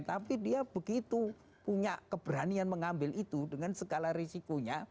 tapi dia begitu punya keberanian mengambil itu dengan segala risikonya